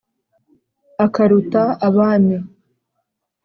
Akaruta Abami,